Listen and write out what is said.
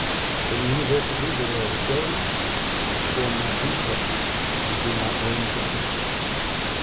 In the university, whither I was going, I must form my own friends, and be my own protector.